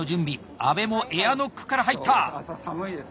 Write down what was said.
安部もエアノックから入った！